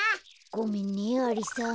ごめんねアリさん。